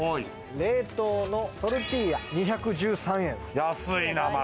冷凍のトルティーヤ、２１３円。